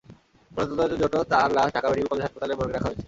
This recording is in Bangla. ময়নাতদন্তের জন্য তাঁর লাশ ঢাকা মেডিকেল কলেজ হাসপাতালের মর্গে রাখা হয়েছে।